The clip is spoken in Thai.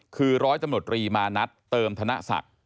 คือร้อยตำรวจรีมานัดเติมธนศักดิ์